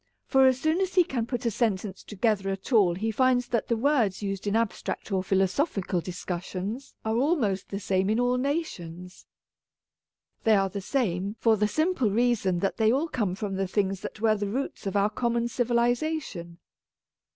For as soon as he can put a sen tence together at all he finds that the words used in abstract or philosophical discussions are almost the same in all nations. They are the same, for the simple reason that they all come from the things that were the roots of our common civilization.